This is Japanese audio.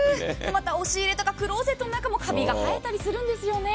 また押し入れやクローゼットの中もかびが生えたりするんですよね。